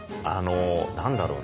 何だろう？